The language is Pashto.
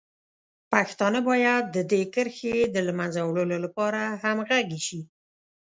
پښتانه باید د دې کرښې د له منځه وړلو لپاره همغږي شي.